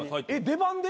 出番で？